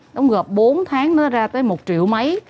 đóng góp bốn tháng nó ra tới một triệu mấy